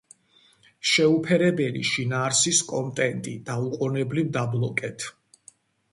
შეუფერებელი შინაარსის კონტენტი დაუყონებლივ დაბლოკეთ.